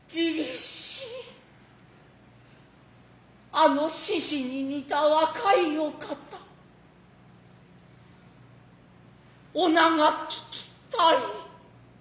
あの獅子に似た若いお方お名が聞きたい。